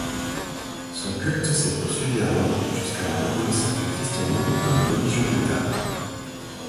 Son culte s'est poursuivi à Rome jusqu'à la reconnaissance du christianisme comme religion d'État.